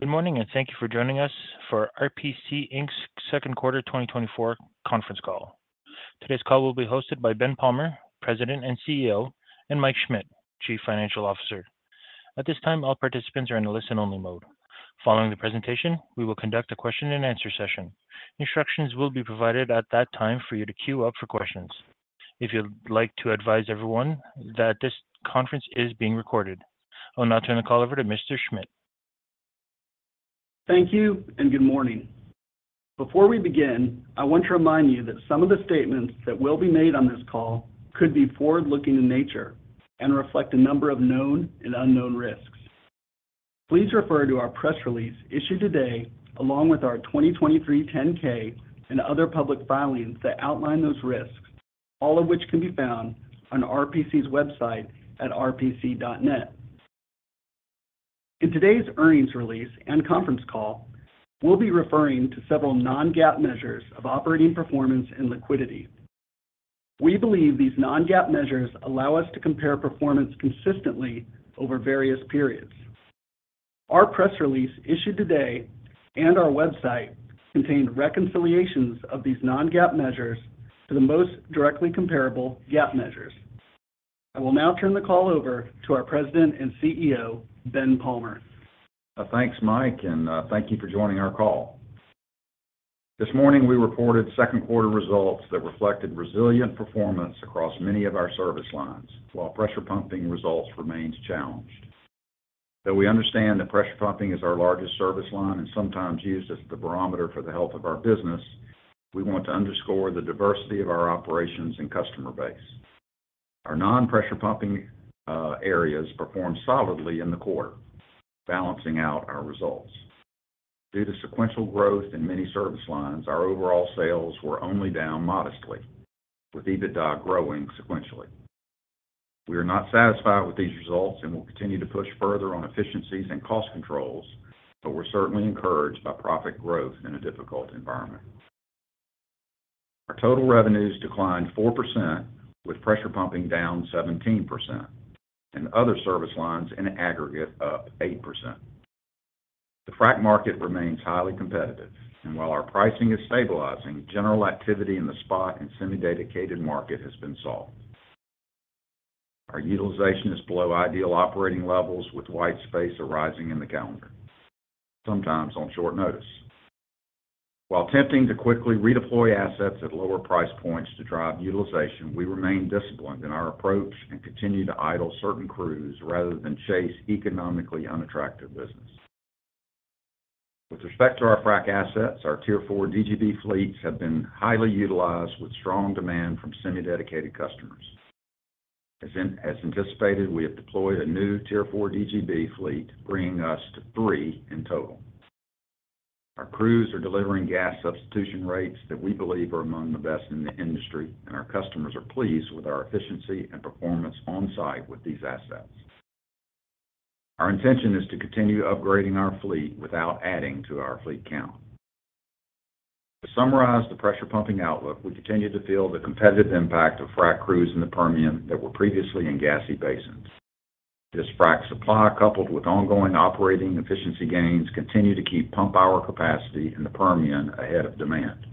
Good morning, and thank you for joining us for RPC Inc.'s second quarter 2024 conference call. Today's call will be hosted by Ben Palmer, President and CEO, and Mike Schmit, Chief Financial Officer. At this time, all participants are in a listen-only mode. Following the presentation, we will conduct a question-and-answer session. Instructions will be provided at that time for you to queue up for questions. If you'd like to advise everyone that this conference is being recorded, I'll now turn the call over to Mr. Schmit. Thank you, and good morning. Before we begin, I want to remind you that some of the statements that will be made on this call could be forward-looking in nature and reflect a number of known and unknown risks. Please refer to our press release issued today, along with our 2023 10-K and other public filings that outline those risks, all of which can be found on RPC's website at rpc.net. In today's earnings release and conference call, we'll be referring to several non-GAAP measures of operating performance and liquidity. We believe these non-GAAP measures allow us to compare performance consistently over various periods. Our press release issued today and our website contain reconciliations of these non-GAAP measures to the most directly comparable GAAP measures. I will now turn the call over to our President and CEO, Ben Palmer. Thanks, Mike, and thank you for joining our call. This morning, we reported second quarter results that reflected resilient performance across many of our service lines, while pressure pumping results remained challenged. Though we understand that pressure pumping is our largest service line and sometimes used as the barometer for the health of our business, we want to underscore the diversity of our operations and customer base. Our non-pressure pumping areas performed solidly in the quarter, balancing out our results. Due to sequential growth in many service lines, our overall sales were only down modestly, with EBITDA growing sequentially. We are not satisfied with these results and will continue to push further on efficiencies and cost controls, but we're certainly encouraged by profit growth in a difficult environment. Our total revenues declined 4%, with pressure pumping down 17%, and other service lines in aggregate up 8%. The frac market remains highly competitive, and while our pricing is stabilizing, general activity in the spot and semi-dedicated market has been slowed. Our utilization is below ideal operating levels, with white space arising in the calendar, sometimes on short notice. While attempting to quickly redeploy assets at lower price points to drive utilization, we remain disciplined in our approach and continue to idle certain crews rather than chase economically unattractive business. With respect to our frac assets, our Tier 4 DGB fleets have been highly utilized, with strong demand from semi-dedicated customers. As anticipated, we have deployed a new Tier 4 DGB fleet, bringing us to three in total. Our crews are delivering gas substitution rates that we believe are among the best in the industry, and our customers are pleased with our efficiency and performance on site with these assets. Our intention is to continue upgrading our fleet without adding to our fleet count. To summarize the pressure pumping outlook, we continue to feel the competitive impact of frac crews in the Permian that were previously in gassy basins. This frac supply, coupled with ongoing operating efficiency gains, continues to keep pump hour capacity in the Permian ahead of demand.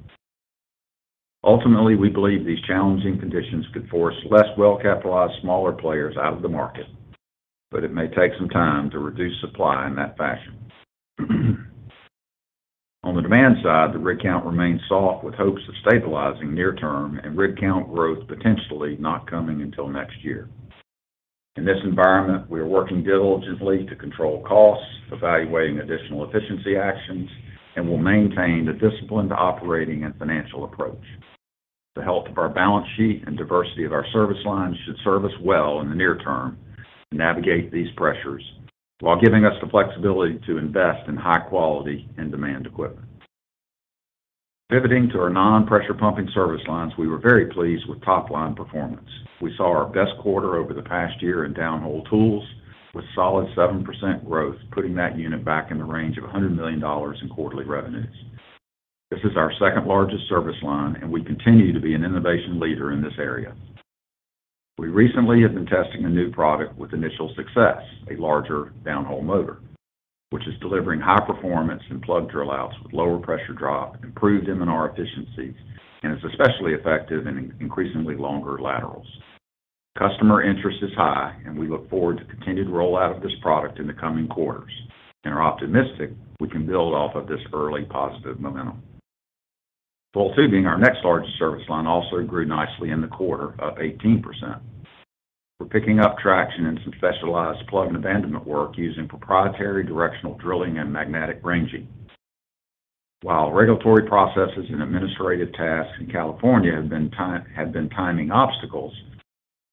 Ultimately, we believe these challenging conditions could force less well-capitalized smaller players out of the market, but it may take some time to reduce supply in that fashion. On the demand side, the rig count remains soft with hopes of stabilizing near-term and rig count growth potentially not coming until next year. In this environment, we are working diligently to control costs, evaluating additional efficiency actions, and will maintain a disciplined operating and financial approach. The health of our balance sheet and diversity of our service lines should serve us well in the near term to navigate these pressures while giving us the flexibility to invest in high-quality and demand equipment. Pivoting to our non-pressure pumping service lines, we were very pleased with top-line performance. We saw our best quarter over the past year in downhole tools, with solid 7% growth, putting that unit back in the range of $100 million in quarterly revenues. This is our second largest service line, and we continue to be an innovation leader in this area. We recently have been testing a new product with initial success, a larger downhole motor, which is delivering high performance in plug drill-outs with lower pressure drop, improved M&R efficiencies, and is especially effective in increasingly longer laterals. Customer interest is high, and we look forward to continued rollout of this product in the coming quarters, and are optimistic we can build off of this early positive momentum. Coiled tubing, our next largest service line, also grew nicely in the quarter, up 18%. We're picking up traction in some specialized plug and abandonment work using proprietary directional drilling and magnetic ranging. While regulatory processes and administrative tasks in California have been timing obstacles,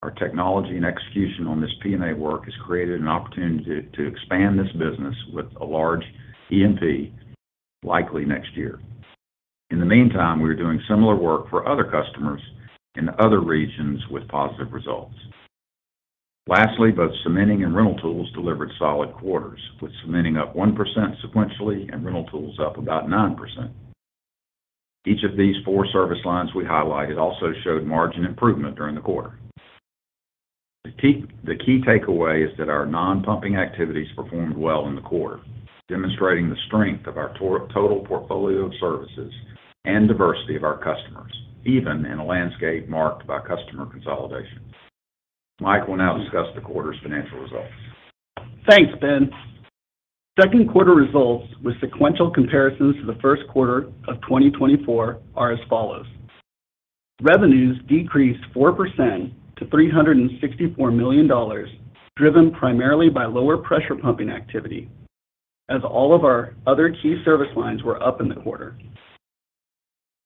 our technology and execution on this P&A work has created an opportunity to expand this business with a large E&P likely next year. In the meantime, we are doing similar work for other customers in other regions with positive results. Lastly, both cementing and rental tools delivered solid quarters, with cementing up 1% sequentially and rental tools up about 9%. Each of these four service lines we highlighted also showed margin improvement during the quarter. The key takeaway is that our non-pumping activities performed well in the quarter, demonstrating the strength of our total portfolio of services and diversity of our customers, even in a landscape marked by customer consolidation. Mike will now discuss the quarter's financial results. Thanks, Ben. Second quarter results with sequential comparisons to the first quarter of 2024 are as follows. Revenues decreased 4% to $364 million, driven primarily by lower pressure pumping activity, as all of our other key service lines were up in the quarter.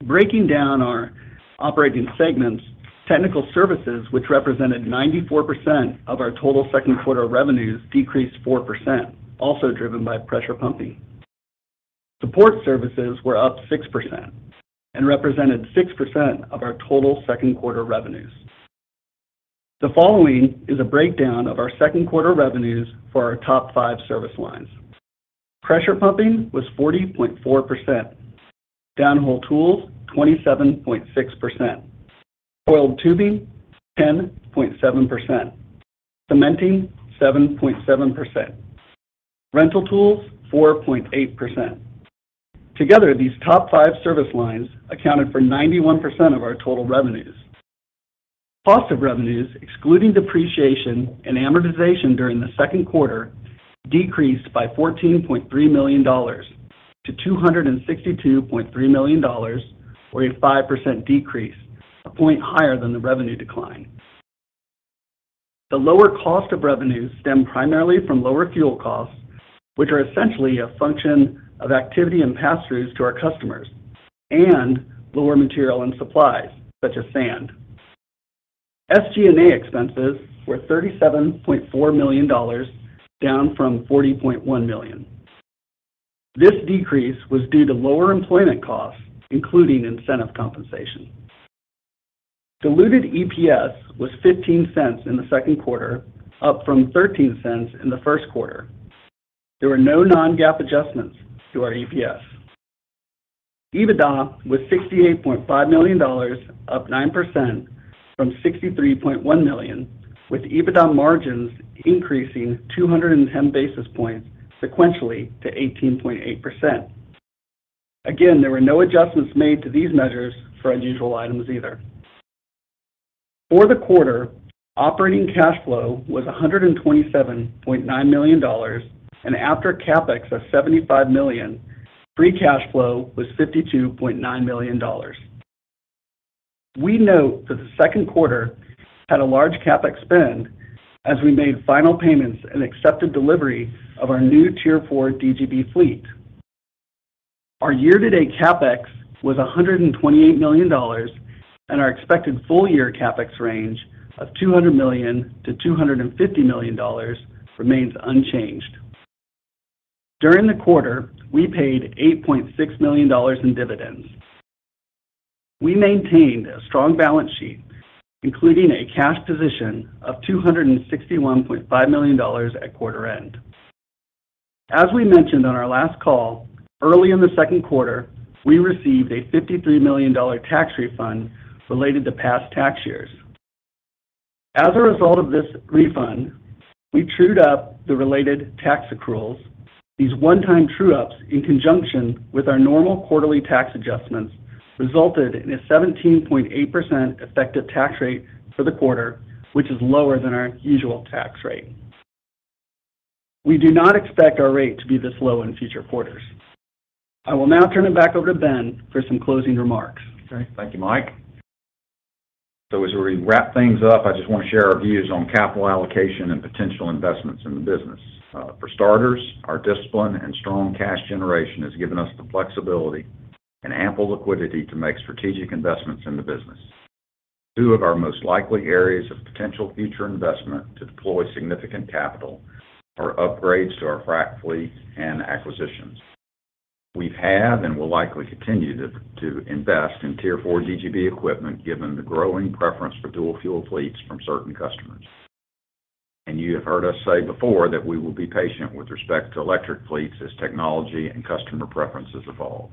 Breaking down our operating segments, technical services, which represented 94% of our total second quarter revenues, decreased 4%, also driven by pressure pumping. Support services were up 6% and represented 6% of our total second quarter revenues. The following is a breakdown of our second quarter revenues for our top five service lines. Pressure pumping was 40.4%, downhole tools 27.6%, coiled tubing 10.7%, cementing 7.7%, rental tools 4.8%. Together, these top five service lines accounted for 91% of our total revenues. Cost of revenues, excluding depreciation and amortization during the second quarter, decreased by $14.3 million to $262.3 million, or a 5% decrease, a point higher than the revenue decline. The lower cost of revenues stem primarily from lower fuel costs, which are essentially a function of activity and pass-throughs to our customers, and lower material and supplies, such as sand. SG&A expenses were $37.4 million, down from $40.1 million. This decrease was due to lower employment costs, including incentive compensation. Diluted EPS was $0.15 in the second quarter, up from $0.13 in the first quarter. There were no non-GAAP adjustments to our EPS. EBITDA was $68.5 million, up 9% from $63.1 million, with EBITDA margins increasing 210 basis points sequentially to 18.8%. Again, there were no adjustments made to these measures for unusual items either. For the quarter, operating cash flow was $127.9 million, and after CapEx of $75 million, free cash flow was $52.9 million. We note that the second quarter had a large CapEx spend as we made final payments and accepted delivery of our new Tier 4 DGB fleet. Our year-to-date CapEx was $128 million, and our expected full-year CapEx range of $200 million-$250 million remains unchanged. During the quarter, we paid $8.6 million in dividends. We maintained a strong balance sheet, including a cash position of $261.5 million at quarter end. As we mentioned on our last call, early in the second quarter, we received a $53 million tax refund related to past tax years. As a result of this refund, we trued up the related tax accruals. These one-time true-ups, in conjunction with our normal quarterly tax adjustments, resulted in a 17.8% effective tax rate for the quarter, which is lower than our usual tax rate. We do not expect our rate to be this low in future quarters. I will now turn it back over to Ben for some closing remarks. Okay. Thank you, Mike. So as we wrap things up, I just want to share our views on capital allocation and potential investments in the business. For starters, our discipline and strong cash generation has given us the flexibility and ample liquidity to make strategic investments in the business. Two of our most likely areas of potential future investment to deploy significant capital are upgrades to our frac fleet and acquisitions. We've had and will likely continue to invest in Tier 4 DGB equipment, given the growing preference for dual-fuel fleets from certain customers. And you have heard us say before that we will be patient with respect to electric fleets as technology and customer preferences evolve.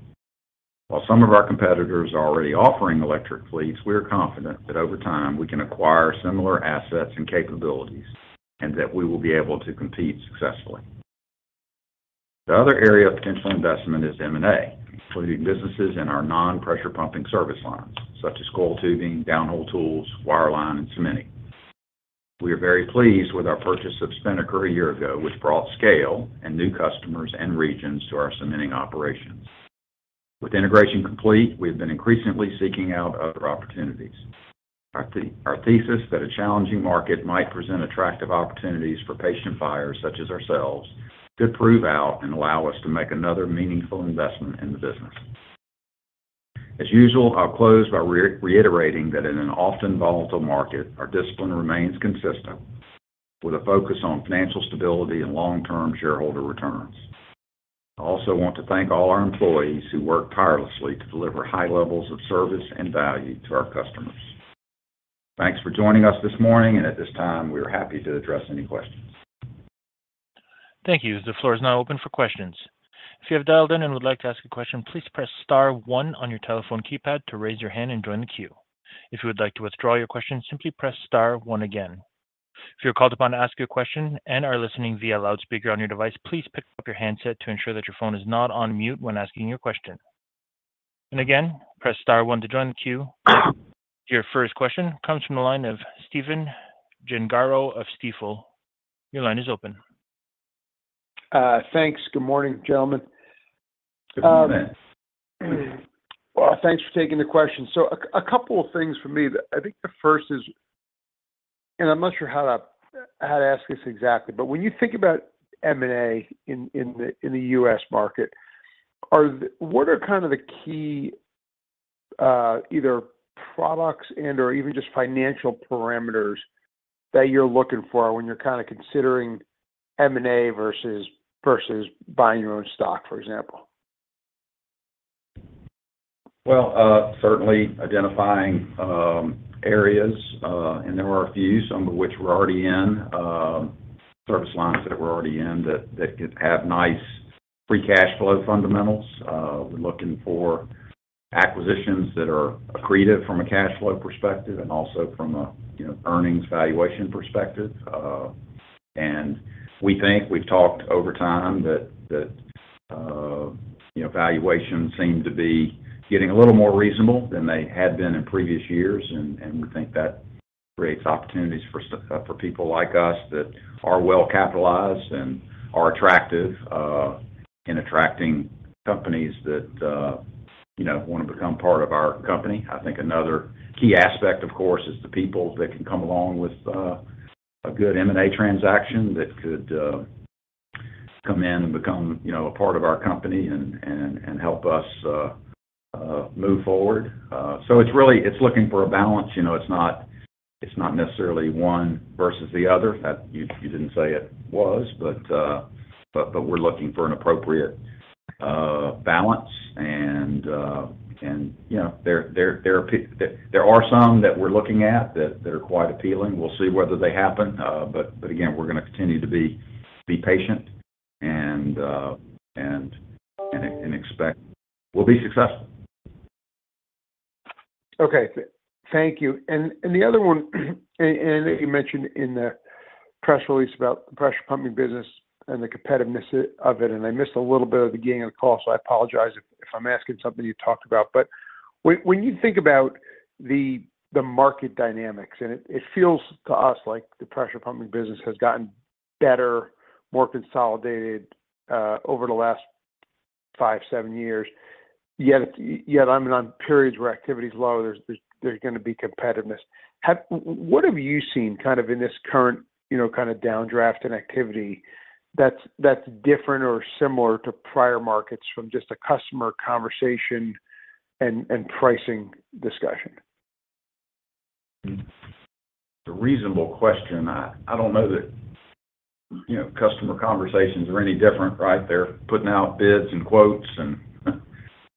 While some of our competitors are already offering electric fleets, we are confident that over time we can acquire similar assets and capabilities and that we will be able to compete successfully. The other area of potential investment is M&A, including businesses in our non-pressure pumping service lines, such as coiled tubing, downhole tools, wireline, and cementing. We are very pleased with our purchase of Spinnaker a year ago, which brought scale and new customers and regions to our cementing operations. With integration complete, we have been increasingly seeking out other opportunities. Our thesis that a challenging market might present attractive opportunities for patient buyers such as ourselves could prove out and allow us to make another meaningful investment in the business. As usual, I'll close by reiterating that in an often volatile market, our discipline remains consistent, with a focus on financial stability and long-term shareholder returns. I also want to thank all our employees who work tirelessly to deliver high levels of service and value to our customers. Thanks for joining us this morning, and at this time, we are happy to address any questions. Thank you. The floor is now open for questions. If you have dialed in and would like to ask a question, please press star one on your telephone keypad to raise your hand and join the queue. If you would like to withdraw your question, simply press star one again. If you're called upon to ask your question and are listening via loudspeaker on your device, please pick up your handset to ensure that your phone is not on mute when asking your question. Again, press star one to join the queue. Your first question comes from the line of Stephen Gengaro of Stifel. Your line is open. Thanks. Good morning, gentlemen. Good morning, Ben. Well, thanks for taking the question. So a couple of things for me. I think the first is, and I'm not sure how to ask this exactly, but when you think about M&A in the U.S. market, what are kind of the key either products and/or even just financial parameters that you're looking for when you're kind of considering M&A versus buying your own stock, for example? Well, certainly identifying areas, and there are a few, some of which we're already in, service lines that we're already in that have nice free cash flow fundamentals. We're looking for acquisitions that are accretive from a cash flow perspective and also from an earnings valuation perspective. And we think we've talked over time that valuations seem to be getting a little more reasonable than they had been in previous years, and we think that creates opportunities for people like us that are well-capitalized and are attractive in attracting companies that want to become part of our company. I think another key aspect, of course, is the people that can come along with a good M&A transaction that could come in and become a part of our company and help us move forward. So it's looking for a balance. It's not necessarily one versus the other. You didn't say it was, but we're looking for an appropriate balance. There are some that we're looking at that are quite appealing. We'll see whether they happen. Again, we're going to continue to be patient and expect we'll be successful. Okay. Thank you. And the other one, and I know you mentioned in the press release about the pressure pumping business and the competitiveness of it, and I missed a little bit of the beginning of the call, so I apologize if I'm asking something you talked about. But when you think about the market dynamics, and it feels to us like the pressure pumping business has gotten better, more consolidated over the last 5, 7 years, yet in periods where activity is low, there's going to be competitiveness. What have you seen kind of in this current kind of downdraft in activity that's different or similar to prior markets from just a customer conversation and pricing discussion? It's a reasonable question. I don't know that customer conversations are any different, right? They're putting out bids and quotes and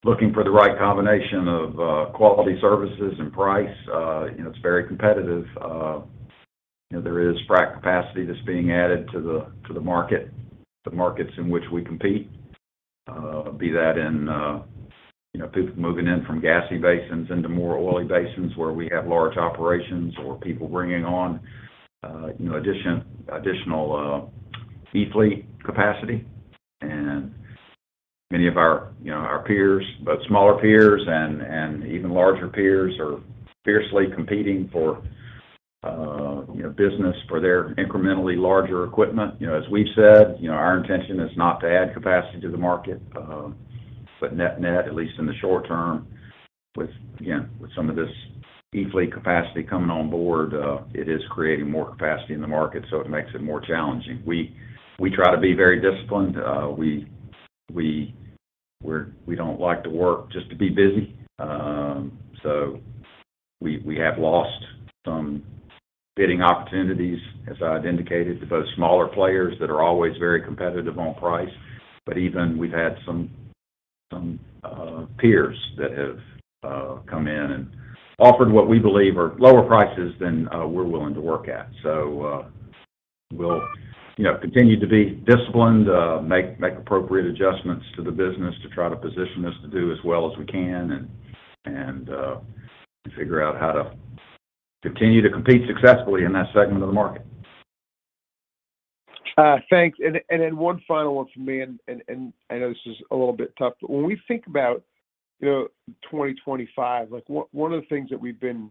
looking for the right combination of quality services and price. It's very competitive. There is frac capacity that's being added to the market, the markets in which we compete, be that in people moving in from gassy basins into more oily basins where we have large operations or people bringing on additional E-fleet capacity. Many of our peers, both smaller peers and even larger peers, are fiercely competing for business for their incrementally larger equipment. As we've said, our intention is not to add capacity to the market, but net-net, at least in the short term, with, again, with some of this E-fleet capacity coming on board, it is creating more capacity in the market, so it makes it more challenging. We try to be very disciplined. We don't like to work just to be busy. So we have lost some bidding opportunities, as I had indicated, to both smaller players that are always very competitive on price, but even we've had some peers that have come in and offered what we believe are lower prices than we're willing to work at. So we'll continue to be disciplined, make appropriate adjustments to the business to try to position us to do as well as we can and figure out how to continue to compete successfully in that segment of the market. Thanks. And then one final one from me, and I know this is a little bit tough, but when we think about 2025, one of the things that we've been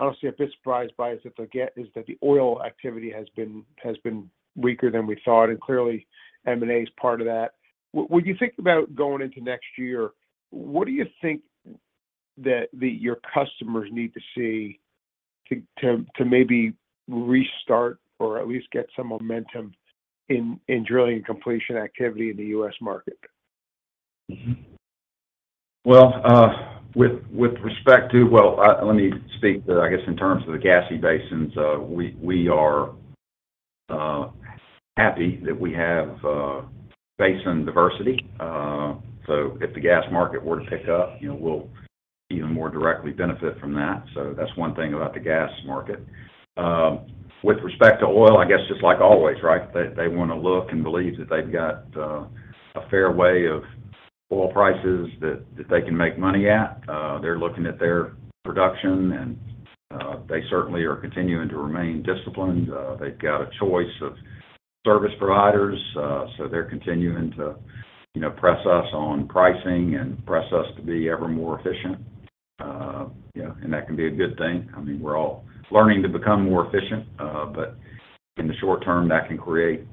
honestly a bit surprised by is that the oil activity has been weaker than we thought, and clearly M&A is part of that. When you think about going into next year, what do you think that your customers need to see to maybe restart or at least get some momentum in drilling and completion activity in the U.S. market? Well, with respect to, well, let me speak, I guess, in terms of the gassy basins, we are happy that we have basin diversity. So if the gas market were to pick up, we'll even more directly benefit from that. So that's one thing about the gas market. With respect to oil, I guess, just like always, right? They want to look and believe that they've got a fair gauge of oil prices that they can make money at. They're looking at their production, and they certainly are continuing to remain disciplined. They've got a choice of service providers, so they're continuing to press us on pricing and press us to be ever more efficient. And that can be a good thing. I mean, we're all learning to become more efficient, but in the short term, that can create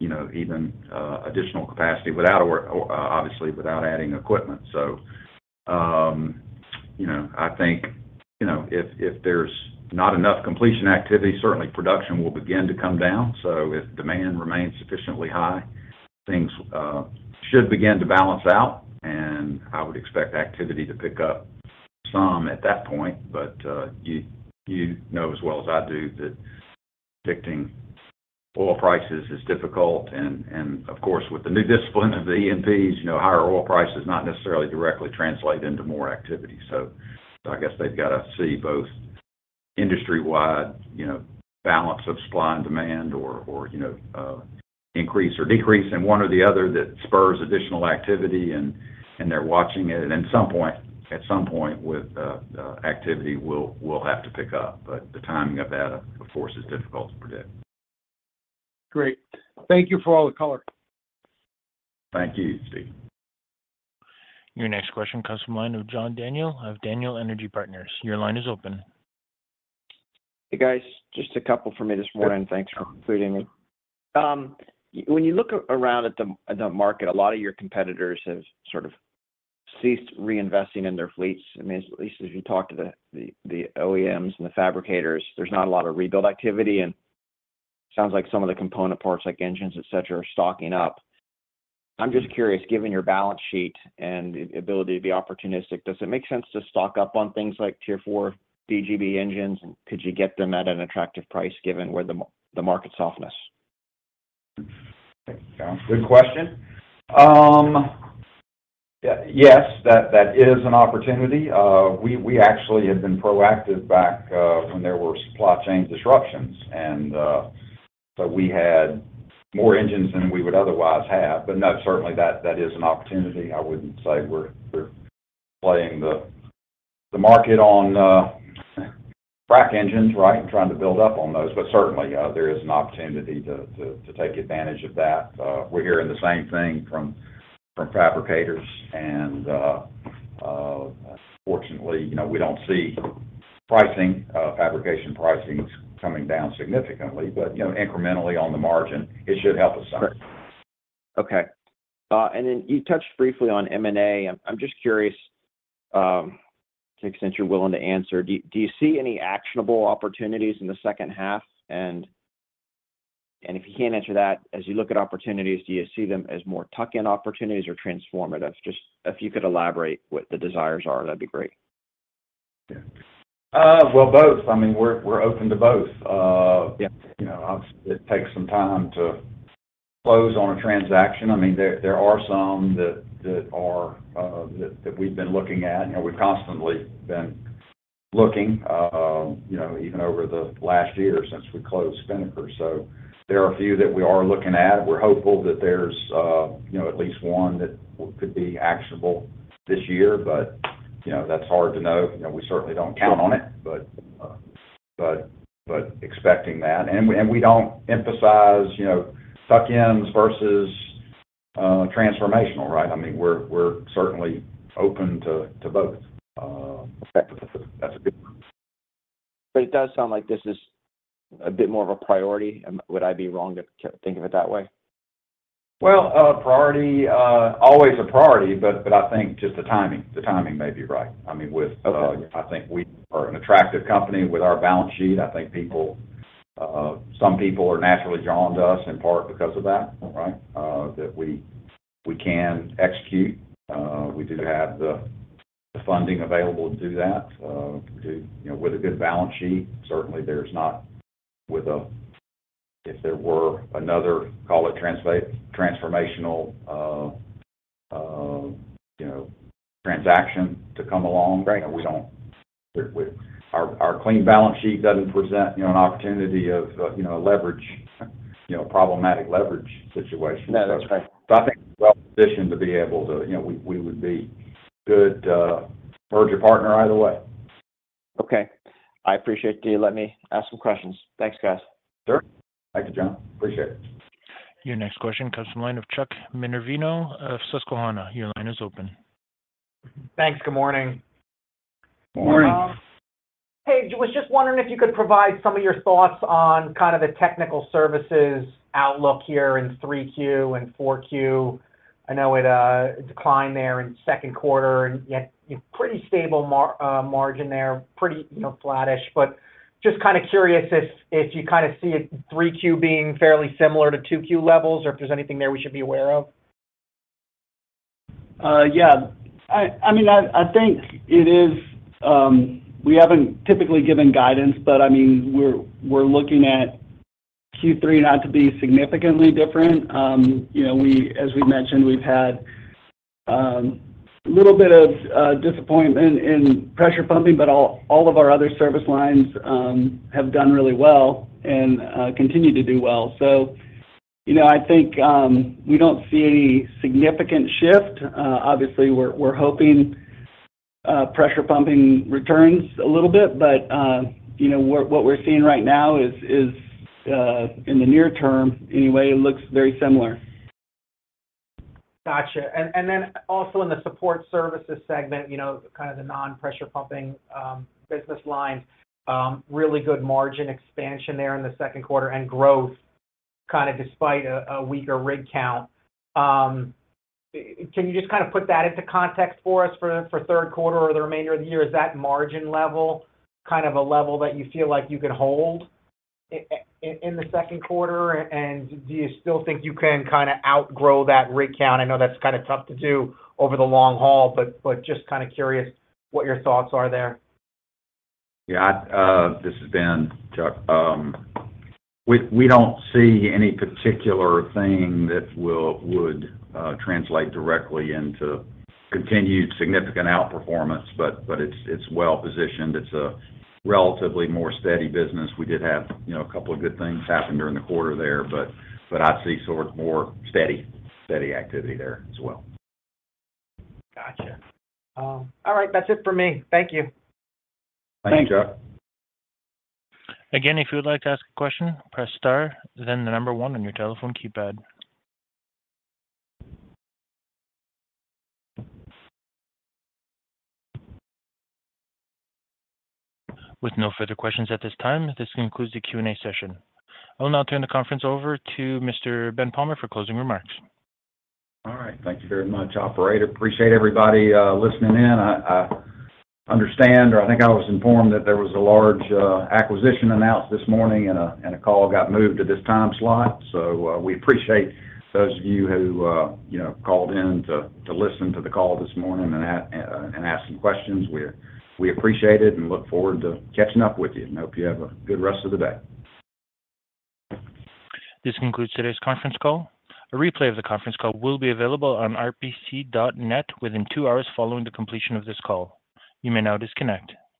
even additional capacity, obviously, without adding equipment. So I think if there's not enough completion activity, certainly production will begin to come down. So if demand remains sufficiently high, things should begin to balance out, and I would expect activity to pick up some at that point. But you know as well as I do that predicting oil prices is difficult. And of course, with the new discipline of the E&Ps, higher oil prices not necessarily directly translate into more activity. So I guess they've got to see both industry-wide balance of supply and demand or increase or decrease in one or the other that spurs additional activity, and they're watching it. And at some point, with activity, we'll have to pick up. But the timing of that, of course, is difficult to predict. Great. Thank you for all the color. Thank you, Steve. Your next question comes from the line of John Daniel of Daniel Energy Partners. Your line is open. Hey, guys. Just a couple for me this morning. Thanks for including me. When you look around at the market, a lot of your competitors have sort of ceased reinvesting in their fleets. I mean, at least if you talk to the OEMs and the fabricators, there's not a lot of rebuild activity. And it sounds like some of the component parts, like engines, etc., are stocking up. I'm just curious, given your balance sheet and ability to be opportunistic, does it make sense to stock up on things like Tier 4 DGB engines? And could you get them at an attractive price given the market softness? Good question. Yes, that is an opportunity. We actually had been proactive back when there were supply chain disruptions, and so we had more engines than we would otherwise have. But no, certainly, that is an opportunity. I wouldn't say we're playing the market on frac engines, right, and trying to build up on those. But certainly, there is an opportunity to take advantage of that. We're hearing the same thing from fabricators. And fortunately, we don't see fabrication pricing coming down significantly, but incrementally on the margin. It should help us some. Okay. And then you touched briefly on M&A. I'm just curious, to the extent you're willing to answer, do you see any actionable opportunities in the second half? And if you can't answer that, as you look at opportunities, do you see them as more tuck-in opportunities or transformative? Just if you could elaborate what the desires are, that'd be great. Well, both. I mean, we're open to both. Obviously, it takes some time to close on a transaction. I mean, there are some that we've been looking at. We've constantly been looking, even over the last year since we closed Spinnaker. So there are a few that we are looking at. We're hopeful that there's at least one that could be actionable this year, but that's hard to know. We certainly don't count on it, but expecting that. And we don't emphasize tuck-ins versus transformational, right? I mean, we're certainly open to both. But it does sound like this is a bit more of a priority. Would I be wrong to think of it that way? Well, priority, always a priority, but I think just the timing. The timing may be right. I mean, I think we are an attractive company with our balance sheet. I think some people are naturally drawn to us in part because of that, right, that we can execute. We do have the funding available to do that. With a good balance sheet, certainly, there's not with a if there were another, call it, transformational transaction to come along, we don't our clean balance sheet doesn't present an opportunity of a problematic leverage situation. So I think we're well positioned to be able to we would be good merger partner either way. Okay. I appreciate you letting me ask some questions. Thanks, guys. Sure. Thank you, John. Appreciate it. Your next question comes from the line of Chuck Minervino of Susquehanna. Your line is open. Thanks. Good morning. Morning. Hey, I was just wondering if you could provide some of your thoughts on kind of the technical services outlook here in 3Q and 4Q. I know it declined there in second quarter, and you had a pretty stable margin there, pretty flattish. But just kind of curious if you kind of see 3Q being fairly similar to 2Q levels or if there's anything there we should be aware of. Yeah. I mean, I think it is. We haven't typically given guidance, but I mean, we're looking at Q3 not to be significantly different. As we mentioned, we've had a little bit of disappointment in pressure pumping, but all of our other service lines have done really well and continue to do well. So I think we don't see any significant shift. Obviously, we're hoping pressure pumping returns a little bit, but what we're seeing right now is, in the near term anyway, it looks very similar. Gotcha. And then also in the support services segment, kind of the non-pressure pumping business lines, really good margin expansion there in the second quarter and growth kind of despite a weaker rig count. Can you just kind of put that into context for us for third quarter or the remainder of the year? Is that margin level kind of a level that you feel like you can hold in the second quarter? And do you still think you can kind of outgrow that rig count? I know that's kind of tough to do over the long haul, but just kind of curious what your thoughts are there. Yeah. This has been Chuck. We don't see any particular thing that would translate directly into continued significant outperformance, but it's well positioned. It's a relatively more steady business. We did have a couple of good things happen during the quarter there, but I'd see sort of more steady activity there as well. Gotcha. All right. That's it for me. Thank you. Thanks, Chuck. Again, if you would like to ask a question, press star, then 1 on your telephone keypad. With no further questions at this time, this concludes the Q&A session. I will now turn the conference over to Mr. Ben Palmer for closing remarks. All right. Thank you very much, Operator. Appreciate everybody listening in. I understand, or I think I was informed that there was a large acquisition announced this morning, and a call got moved to this time slot. So we appreciate those of you who called in to listen to the call this morning and ask some questions. We appreciate it and look forward to catching up with you and hope you have a good rest of the day. This concludes today's conference call. A replay of the conference call will be available on rpc.net within 2 hours following the completion of this call. You may now disconnect.